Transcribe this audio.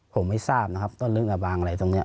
ผมไม่ทราบนะครับต้นเรื่องอบางอะไรตรงนี้